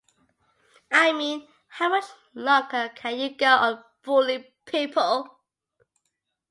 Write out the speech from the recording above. I mean, how much longer can you go on fooling people?